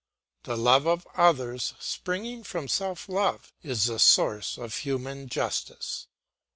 The love of others springing from self love, is the source of human justice.